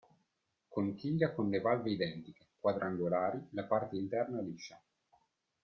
Conchiglia con le valve identiche, quadrangolari, la parte interna liscia.